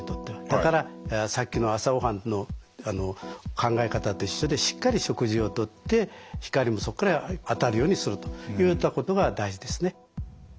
だからさっきの朝ごはんの考え方と一緒でしっかり食事をとって光もそこから当たるようにするといったことが大事ですね。